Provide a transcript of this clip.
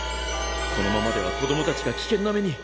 このままでは子供たちが危険な目に。